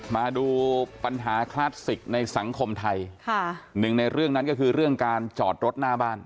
มาดูปัญหาคลาสสิกในสังคมไทยค่ะหนึ่งในเรื่องนั้นก็คือเรื่องการจอดรถหน้าบ้าน